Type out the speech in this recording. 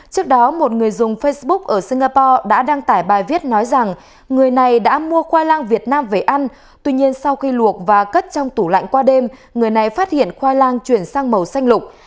trước đó một người dùng facebook ở singapore đã đăng tải bài viết nói rằng người này đã mua khoai lang việt nam về ăn tuy nhiên sau khi luộc và cất trong tủ lạnh qua đêm người này phát hiện khoai lang chuyển sang màu xanh lục